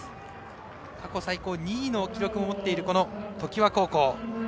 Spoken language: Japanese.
過去最高２位の記録を持っている常磐高校。